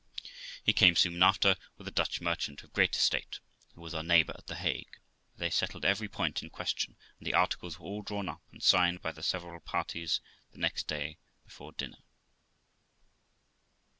He came soon after, with a Dutch merchant of great estate, who was our neighbour at The Hague, where they settled every point in question, THE LIFE OF ROXANA 417 and the articles were all drawn up and signed by the several parties the next day before dinner.